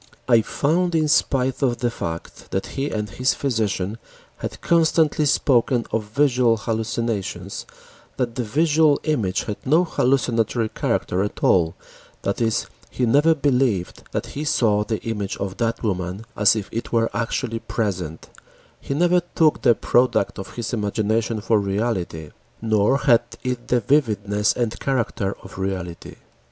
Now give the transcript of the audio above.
I found in spite of the fact that he and his physician had constantly spoken of visual hallucinations that the visual image had no hallucinatory character at all, that is, he never believed that he saw the image of that woman as if it were actually present, he never took the product of his imagination for reality, nor had it the vividness and character of reality.